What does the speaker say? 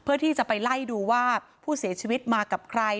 เพื่อที่จะไปไล่ดูว่าผู้เสียชีวิตมากับใคร